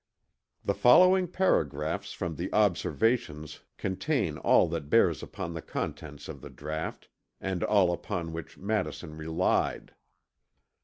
The following paragraphs from the Observations contain all that bears upon the contents of the draught, and all upon which Madison relied.